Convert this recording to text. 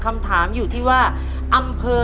คุณยายแจ้วเลือกตอบจังหวัดนครราชสีมานะครับ